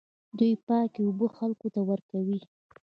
دوی پاکې اوبه خلکو ته ورکوي.